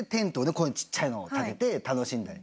こういうちっちゃいのをたてて楽しんだり。